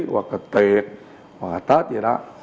hoặc là tiệc hoặc là tết vậy đó